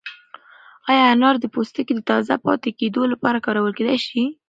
ایا انار د پوستکي د تازه پاتې کېدو لپاره کارول کیدای شي؟